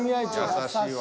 優しいわ。